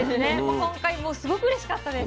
今回もすごくうれしかったです